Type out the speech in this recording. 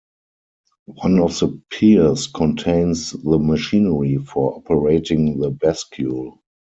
One of the piers contains the machinery for operating the bascule.